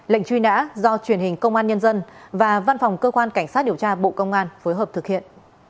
lệnh truy nã do truyền hình công an nhân dân và văn phòng cơ quan cảnh sát điều tra bộ công an phối hợp thực hiện